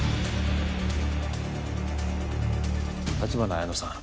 立花彩乃さん